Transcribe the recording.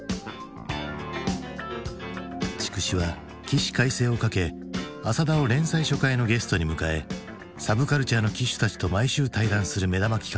筑紫は起死回生をかけ浅田を連載初回のゲストに迎えサブカルチャーの旗手たちと毎週対談する目玉企画